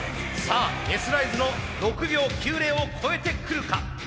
さあＳライズの６秒９０を超えてくるか！